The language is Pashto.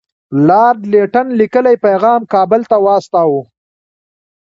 لارډ لیټن لیکلی پیغام کابل ته واستاوه.